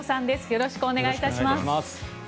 よろしくお願いします。